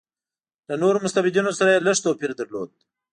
له نورو مستبدینو سره یې لږ توپیر درلود.